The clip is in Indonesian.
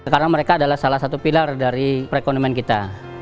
karena mereka adalah salah satu pilar dari perekonomian kita